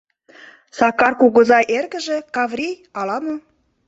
Сакар кугызай эргыже, Каврий, ала-мо?